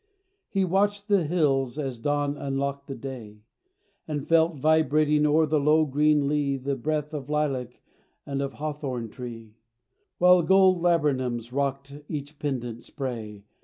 He watched the hills as dawn unlocked the day, And felt vibrating o'er the low green lea The breath of lilac and of hawthorn tree, While gold laburnums rocked each pendent spray.